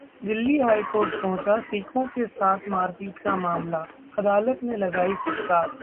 Delhi high court पहुंचा सिखों के साथ मारपीट का मामला, अदालत ने लगाई फटकार